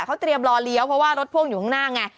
เขาเตรียมรอเลี้ยวเพราะว่ารถพ่วงอยู่ข้างหน้าไง